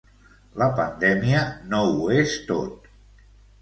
La pandèmia no ho és tot.